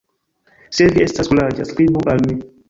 Se vi estas kuraĝa, skribu al mi!